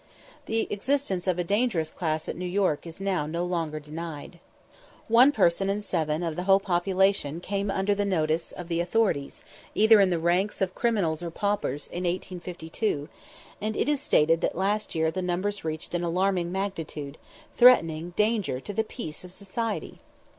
The existence of a "dangerous class" at New York is now no longer denied. One person in seven of the whole population came under the notice of the authorities, either in the ranks of criminals or paupers, in 1852; and it is stated that last year the numbers reached an alarming magnitude, threatening danger to the peace of society.